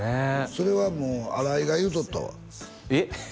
それは新井が言うとったわえっ？